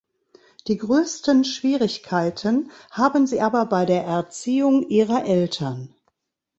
Die größten Schwierigkeiten haben sie aber bei der „Erziehung“ ihrer Eltern.